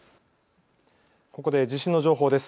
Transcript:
ここで地震の情報です。